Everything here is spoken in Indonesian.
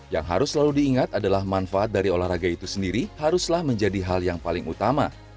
yang harus selalu diingat adalah manfaat dari olahraga itu sendiri haruslah menjadi hal yang paling utama